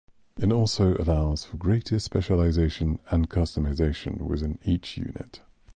It also allows for greater specialization and customization within each unit.